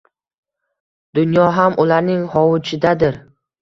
Dunyo ham ularning hovuchidadir.